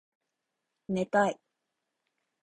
寝たい